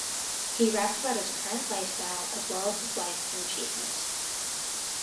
He raps about his current lifestyle as well as his life and achievements.